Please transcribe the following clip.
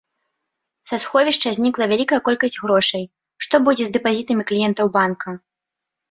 Са сховішча знікла вялікая колькасць грошай, што будзе з дэпазітамі кліентаў банка?